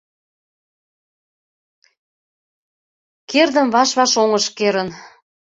Кердым ваш-ваш оҥыш керын